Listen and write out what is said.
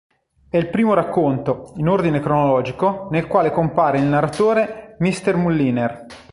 È il primo racconto, in ordine cronologico, nel quale compare il narratore Mr. Mulliner.